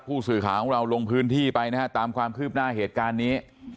ผู้สื่อข่าวของเราลงพื้นที่ไปนะฮะตามความคืบหน้าเหตุการณ์นี้